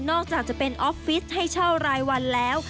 อกจากจะเป็นออฟฟิศให้เช่ารายวันแล้ว